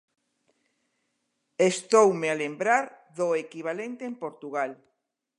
Estoume a lembrar do equivalente en Portugal.